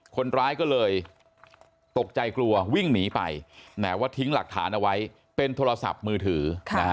คนร้ายก็เลยตกใจกลัววิ่งหนีไปแต่ว่าทิ้งหลักฐานเอาไว้เป็นโทรศัพท์มือถือ